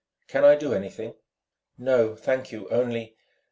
"Can I do anything?" "No, thank you, only